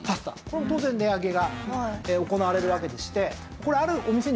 これも当然値上げが行われるわけでして。